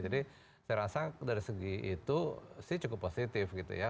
jadi saya rasa dari segi itu sih cukup positif gitu ya